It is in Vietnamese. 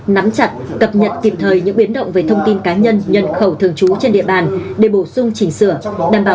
nắm chặt cập nhật kịp thời những biến động về thông tin cá nhân nhân khẩu thường trú trên địa bàn để bổ sung chỉnh sửa đảm bảo